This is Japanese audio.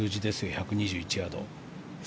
１２１ヤード。